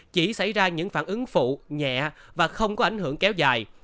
chỉ xảy ra những phản ứng phụ nhẹ và không có ảnh hưởng kéo dài